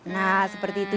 nah seperti itu